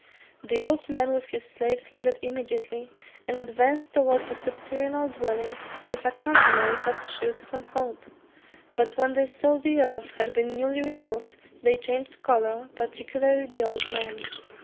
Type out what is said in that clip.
The old man with his slaves landed immediately, and advanced towards the subterranean dwelling, with a countenance that shewed some hope; but when they saw the earth had been newly removed, they changed colour, particularly the old man.